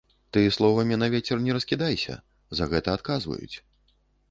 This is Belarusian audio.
Ты словамі на вецер не раскідайся, за гэта адказваюць.